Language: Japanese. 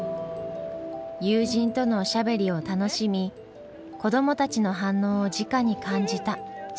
友人とのおしゃべりを楽しみ子どもたちの反応をじかに感じた下関の旅。